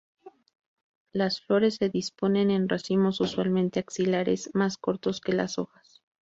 Las flores se disponen en racimos usualmente axilares, más cortos que las hojas.